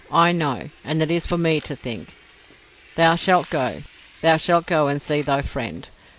I know, and it is for me to think. Thou shalt go—thou shalt go and see thy friend.